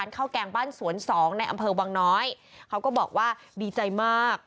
เขาก็บอกว่าดีใจมาก